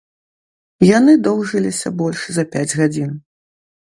Яны доўжыліся больш за пяць гадзін.